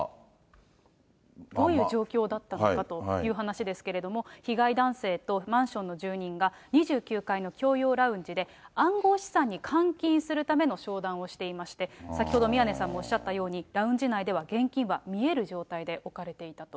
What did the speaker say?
どういう状況だったのかという話ですけれども、被害男性とマンションの住人が、２９階の共用ラウンジで、暗号資産に換金するための商談をしていまして、先ほど宮根さんもおっしゃったように、ラウンジ内では現金は見える状態で置かれていたと。